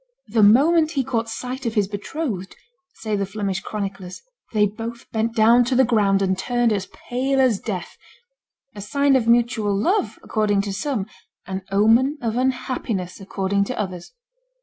"The moment he caught sight of his betrothed," say the Flemish chroniclers, "they both bent down to the ground and turned as pale as death a sign of mutual love according to some, an omen of unhappiness according to others."